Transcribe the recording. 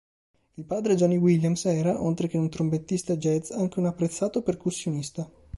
Il padre Johnny Williams era, oltre che un trombettista jazz, anche un apprezzato percussionista.